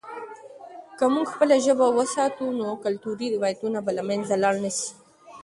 که موږ خپله ژبه وساتو، نو کلتوري روایتونه به له منځه لاړ نه سي.